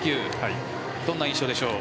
どんな印象でしょう？